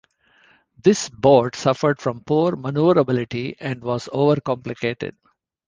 This boat suffered from poor maneuverability and was overcomplicated.